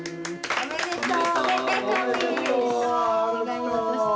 おめでとう。